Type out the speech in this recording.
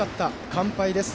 完敗です。